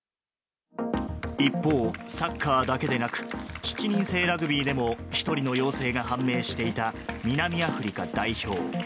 一方、サッカーだけでなく、７人制ラグビーでも１人の陽性が判明していた南アフリカ代表。